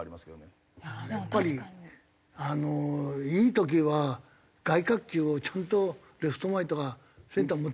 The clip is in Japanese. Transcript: やっぱりあのいい時は外角球をちゃんとレフト前とかセンターに持っていくからね。